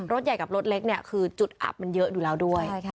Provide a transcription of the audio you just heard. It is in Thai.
ใหญ่กับรถเล็กเนี่ยคือจุดอับมันเยอะอยู่แล้วด้วย